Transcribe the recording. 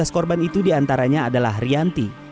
tiga belas korban itu diantaranya adalah rianti